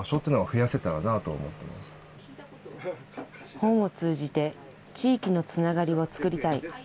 本を通じて地域のつながりを作りたい。